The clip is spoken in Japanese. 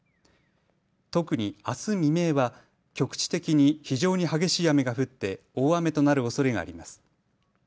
特にあす未明は局地的に非常に激しい雨が降って大雨となるおそれがあります。